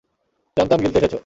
জানতাম গিলতে এসেছো।